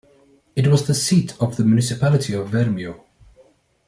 It was the seat of the municipality of Vermio.